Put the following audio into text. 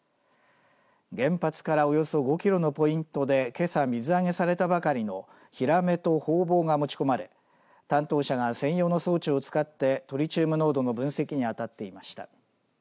原発からおよそ５キロのポイントでけさ水揚げされたばかりのヒラメとホウボウが持ち込まれ担当者が専用の装置を使ってトリチウム濃度の分析に当たっていました。